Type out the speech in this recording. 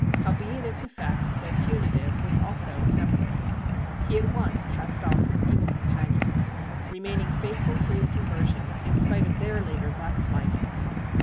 Howbeit its effect, though punitive, was also exemplary. He at once cast off his evil com panions remaining faithful to his conversion in spite of their later * backslidmgs.'